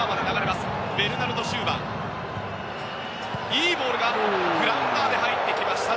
いいボールがグラウンダーで入ってきました。